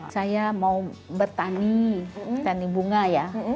saya mau bertani tani bunga ya